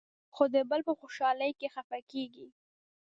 خو د بل په خوشالۍ کې خفه کېږي.